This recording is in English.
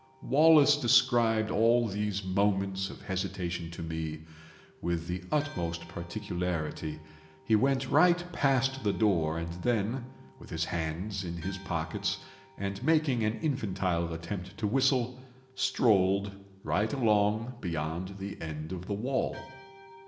Wallace described all these moments of hesitation to me with the utmost particularity. He went right past the door, and then, with his hands in his pockets, and making an infantile attempt to whistle, strolled right along beyond the end of the wall.